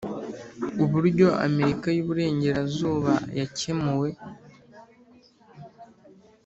uburyo amerika y'uburengerazuba yakemuwe